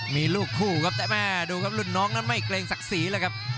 มีลูกคู่ครับแต่แม่ดูครับรุ่นน้องนั้นไม่เกรงศักดิ์ศรีเลยครับ